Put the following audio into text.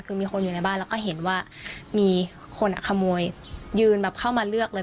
คือมีคนอยู่ในบ้านแล้วก็เห็นว่ามีคนอ่ะขโมยยืนแบบเข้ามาเลือกเลย